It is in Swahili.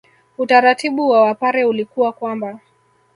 Utaratibu wa Wapare ulikuwa kwamba